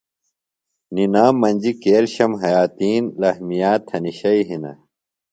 نِنام مجیۡ کییلشم، حیاتین، لحمیات تھنیۡ شئے ہِنہ۔